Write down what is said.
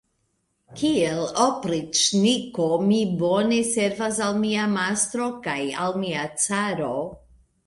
Kiel opriĉniko mi bone servas al mia mastro kaj al mia caro.